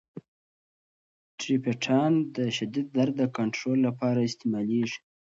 ټریپټان د شدید درد د کنترول لپاره استعمالیږي.